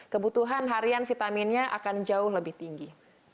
kebutuhan harian vitaminnya akan jauh lebih tinggi